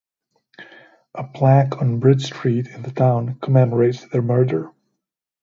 A plaque on Bridge Street in the town commemorates their murder.